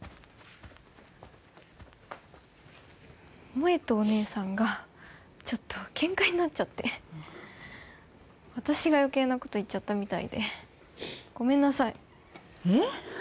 萌衣とお姉さんがちょっとケンカになっちゃって私が余計なこと言っちゃったみたいでごめんなさいえっ？